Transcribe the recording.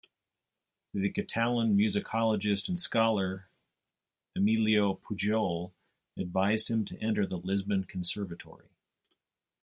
The Catalan musicologist and scholar Emilio Pujol advised him to enter the Lisbon Conservatory.